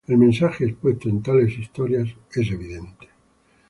El mensaje expuesto en tales historias es evidente.